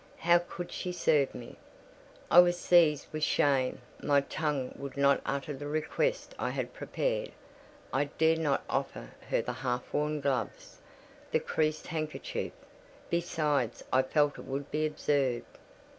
How could she serve me? I was seized with shame: my tongue would not utter the request I had prepared. I dared not offer her the half worn gloves, the creased handkerchief: besides, I felt it would be absurd.